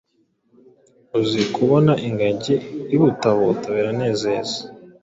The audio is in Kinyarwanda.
Uzi kubona ingagi ibutabuta! Biranezeza.